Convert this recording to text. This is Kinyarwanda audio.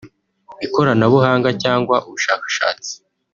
ikoranabuhanga cyangwa ubushakashatsi